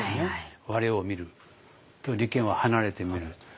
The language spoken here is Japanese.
「我を見る」と離見は「離れて見る」と。